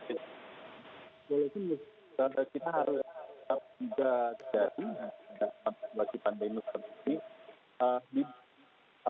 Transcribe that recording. kita harus tetap belajar dapat lagi pandemi seperti ini